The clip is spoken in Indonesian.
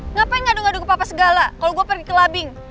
ngapain ngadu ngadu ke papa segala kalau gue pergi ke labing